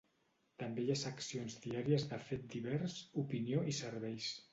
També hi ha seccions diàries de Fet Divers, Opinió i Serveis.